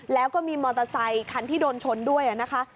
แล้วก็มีมอเตอร์ไซคันที่โดนชนด้วยนะคะ